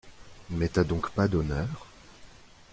Mais t’as donc pas d’honneur ?